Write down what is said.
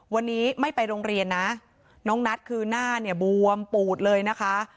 วันนี้ไม่ไปโรงเรียนนะน้องนัทคือหน้าเนี่ยบวมปูดเลยนะคะ